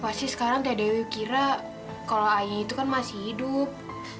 pasti sekarang teh dewi kira kalau ayahnya itu kan masih hidup